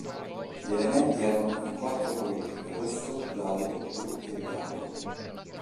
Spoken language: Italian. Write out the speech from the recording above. Gli elementi erano in quattro colori: rosso, giallo, blu e bianco.